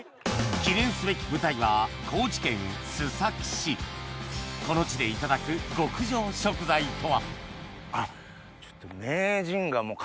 記念すべき舞台はこの地でいただく極上食材とはあっちょっと。